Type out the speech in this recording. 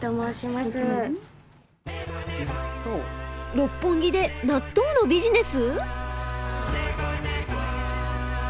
六本木で納豆のビジネス？